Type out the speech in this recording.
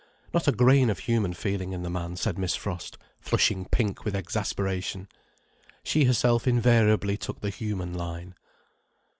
Not a grain of human feeling in the man, said Miss Frost, flushing pink with exasperation. She herself invariably took the human line.